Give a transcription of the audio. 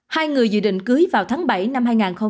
hai người dự định cưới vào tháng bảy năm hai nghìn hai mươi